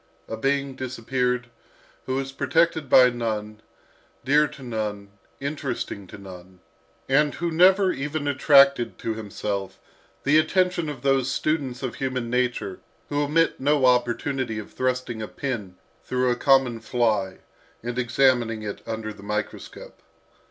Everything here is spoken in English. A being disappeared, who was protected by none, dear to none, interesting to none, and who never even attracted to himself the attention of those students of human nature who omit no opportunity of thrusting a pin through a common fly and examining it under the microscope.